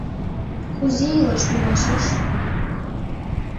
Кузе илаш тӱҥалшаш?